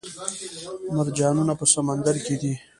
مرجانونه په سمندر کې دي